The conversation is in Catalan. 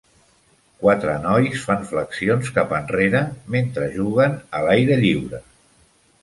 Quatre noies fan flexions cap enrere mentre juguen a l'aire lliure.